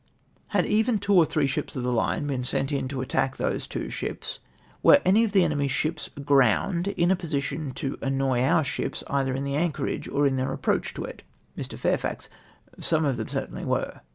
—" Had even two. or three sliips of the line been sent in to attack those two ships, were any of the eneiw/s ships aground {!) in a position to annoy our ships, either in the anchorage or in their aj^j^roach to it ?" IMrv. Fairf.^j;:. —" Sorne of theyii certainly were.''''